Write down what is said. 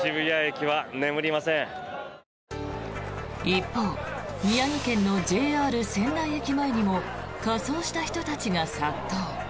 一方宮城県のＪＲ仙台駅前にも仮装した人たちが殺到。